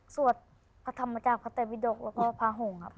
สวดพระธรรมจักรพระเตวิดกแล้วก็พระหงครับ